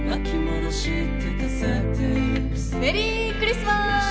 メリークリスマス！